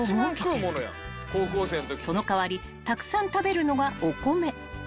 ［その代わりたくさん食べるのがお米］